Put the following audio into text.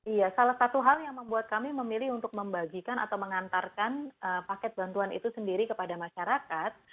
iya salah satu hal yang membuat kami memilih untuk membagikan atau mengantarkan paket bantuan itu sendiri kepada masyarakat